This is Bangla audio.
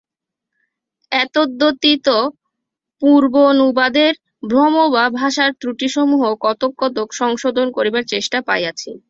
এতদ্ব্যতীত পূর্বানুবাদের ভ্রম বা ভাষার ত্রুটিসমূহ কতক কতক সংশোধন করিবার চেষ্টা পাইয়াছি।